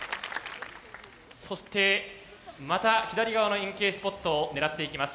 そしてまた左側の円形スポットを狙っていきます。